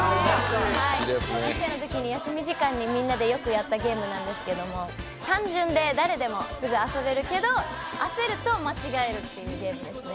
小学生のときに休み時間にみんなでよくやったゲームなんですけど、単純で誰でも遊べるゲームですけど焦ると間違えるっていうゲームですね。